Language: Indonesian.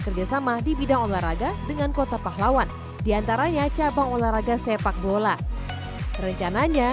kerjasama di bidang olahraga dengan kota pahlawan diantaranya cabang olahraga sepak bola rencananya